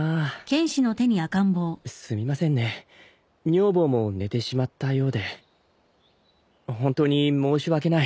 すみませんね女房も寝てしまったようで本当に申し訳ない。